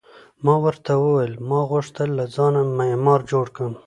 ما ورته وویل: ما غوښتل له ځانه معمار جوړ کړم.